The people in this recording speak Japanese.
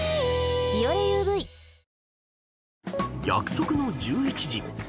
［約束の１１時。